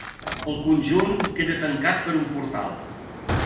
El conjunt queda tancat per un portal.